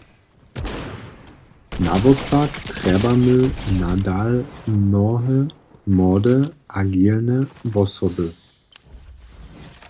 Nawopak trjebamy nadal mnohe młode, agilne wosoby.